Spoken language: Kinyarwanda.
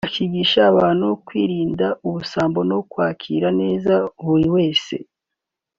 akigisha abantu kwirinda ubusambo no kwakira neza buri wese